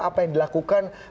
apa yang dilakukan